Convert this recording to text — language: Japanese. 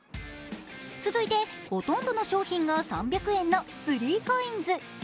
続いてほとんどの商品が３００円の３ＣＯＩＮＳ。